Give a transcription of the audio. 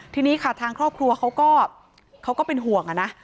ทีนี้ค่ะทางครอบครัวเขาก็เป็นห่วงนะ